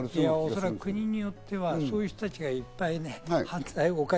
おそらく国によっては、そういう人たちがいっぱいいる。